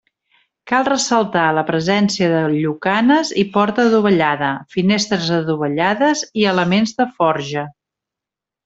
Cal ressaltar la presència de llucanes i porta adovellada, finestres adovellades i elements de forja.